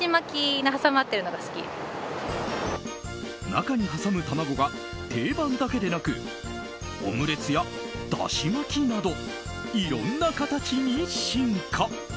中に挟む玉子が定番だけでなくオムレツやだし巻きなどいろんな形に進化。